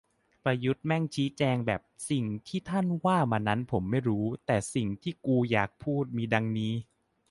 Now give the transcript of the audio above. "ประยุทธ์แม่งชี้แจงแบบ สิ่งที่ท่านว่ามานั้นผมไม่รู้ แต่สิ่งที่กูอยากพูดมีดังนี้"